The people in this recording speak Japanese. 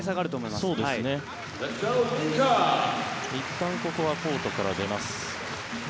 いったんここはコートから出ます。